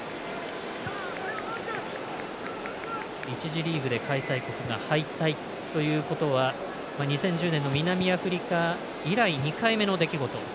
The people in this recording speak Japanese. １次リーグで開催国が敗退ということは２０１０年の南アフリカ以来２回目の出来事。